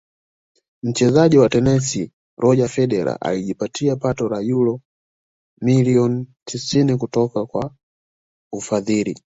mchezaji wa tenisi Roger Federer alijipatia pato la uro milioni tisini kutoka kwa ufadhili